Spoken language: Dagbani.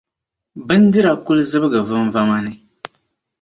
bindira kul zibigi vinvama ni.